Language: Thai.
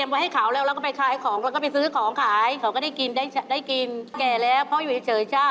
ไม่ไม่ใช่ที่มันด่ามันต้องมีเหตุผลด่า